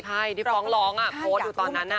ใช่ที่ฟ้องร้องโพสต์อยู่ตอนนั้น